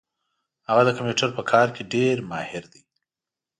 هغه د کمپیوټر په کار کي ډېر ماهر ده